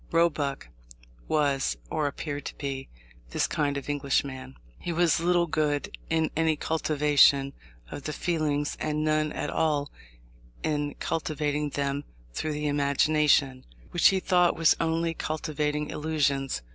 Roebuck was, or appeared to be, this kind of Englishman. He saw little good in any cultivation of the feelings, and none at all in cultivating them through the imagination, which he thought was only cultivating illusions.